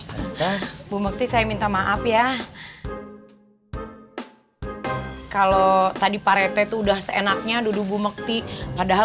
tersebut em satu ratus dua puluh tiga ta sekitar maaf ya kalau tadi parete tuh udah seenaknya dudu bumukti padahal